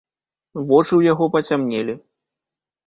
Вочы ў яго пацямнелі.